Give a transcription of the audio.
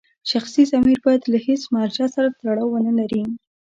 شخصي ضمیر باید له هېڅ مرجع سره تړاو ونلري.